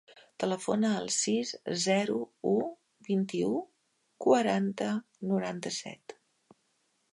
Telefona al sis, zero, u, vint-i-u, quaranta, noranta-set.